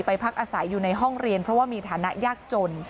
พักอาศัยอยู่ในห้องเรียนเพราะว่ามีฐานะยากจน